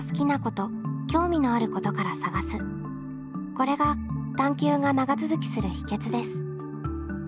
これが探究が長続きする秘けつです。